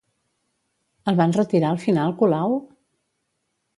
El va enretirar al final Colau?